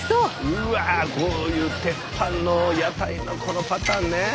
うわこういう鉄板の屋台のこのパターンね。